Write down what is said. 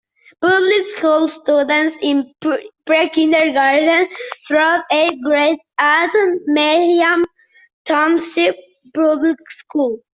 Public school students in pre-kindergarten through eighth grade attend the Mendham Township Public Schools.